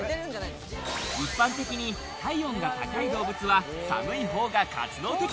一般的に体温が高い動物は、寒い方が活動的。